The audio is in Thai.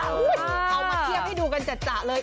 เอามาเทียบให้ดูกันจัดเลย